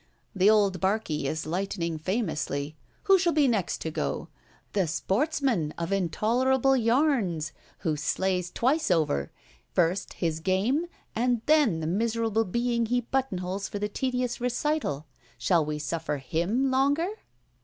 The old barkey is lightening famously: who shall be next to go? The Sportsman of intolerable yarns: who slays twice over—first, his game, and then the miserable being he button holes for the tedious recital. Shall we suffer him longer?